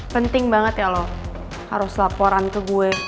penting banget ya loh harus laporan ke gue